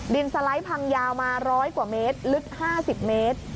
สไลด์พังยาวมา๑๐๐กว่าเมตรลึก๕๐เมตร